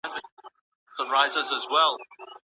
ولي زیارکښ کس د هوښیار انسان په پرتله ډېر مخکي ځي؟